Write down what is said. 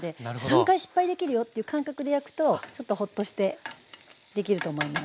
３回失敗できるよっていう感覚で焼くとちょっとホッとしてできると思います。